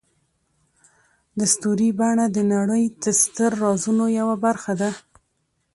د ستوري بڼه د نړۍ د ستر رازونو یوه برخه ده.